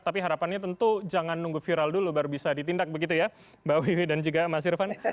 tapi harapannya tentu jangan nunggu viral dulu baru bisa ditindak begitu ya mbak wiwi dan juga mas irvan